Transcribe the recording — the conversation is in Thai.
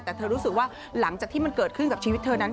แต่เธอรู้สึกว่าหลังจากที่มันเกิดขึ้นกับชีวิตเธอนั้น